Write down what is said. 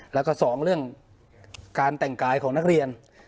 แล้วก็สองเรื่องการแต่งกายของนักเรียน